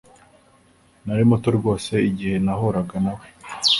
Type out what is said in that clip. Nari muto rwose igihe nahuraga nawe